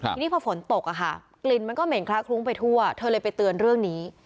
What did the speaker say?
ทีนี้พอฝนตกอะค่ะกลิ่นมันก็เหม็นคละคลุ้งไปทั่วเธอเลยไปเตือนเรื่องนี้